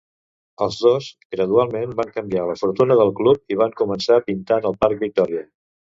Els dos gradualment van canviar la fortuna del club, i van començar pintant el parc Victoria.